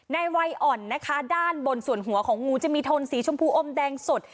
ในวัยอ่อนนะคะด้านบนส่วนหัวของงูจะมีโทนสีชมพูอมแดงสด